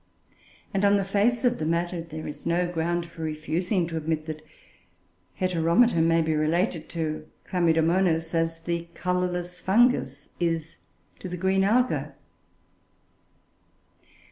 And on the face of the matter there is no ground for refusing to admit that Heteromita may be related to Chlamydomonas, as the colourless fungus is to the green alga.